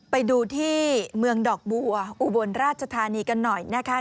ไปดูที่เมืองดอกบัวอุบลราชธานีกันหน่อยนะคะ